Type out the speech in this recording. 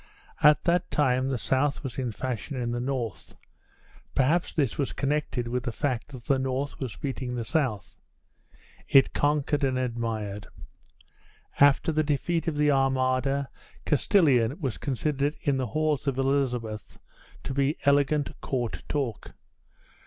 At that time the South was in fashion in the North; perhaps this was connected with the fact that the North was beating the South. It conquered and admired. After the defeat of the Armada, Castilian was considered in the halls of Elizabeth to be elegant court talk.